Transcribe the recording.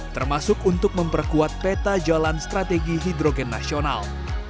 termasuk untuk memperkuat peta jalan strategi hidrogen nasional